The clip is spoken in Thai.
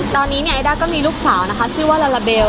ตอนนี้เนี่ยไอด้าก็มีลูกสาวนะคะชื่อว่าลาลาเบล